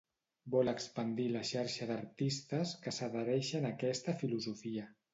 Vol expandir la xarxa d'artistes que s'adhereixen a aquesta filosofia.